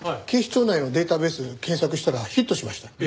警視庁内のデータベース検索したらヒットしました。